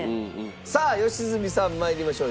さあ良純さん参りましょう。